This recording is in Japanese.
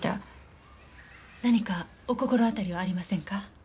何かお心当たりはありませんか？